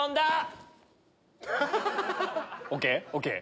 ＯＫ？ＯＫ！